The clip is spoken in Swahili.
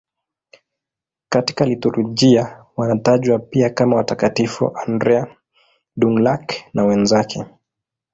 Katika liturujia wanatajwa pia kama Watakatifu Andrea Dũng-Lạc na wenzake.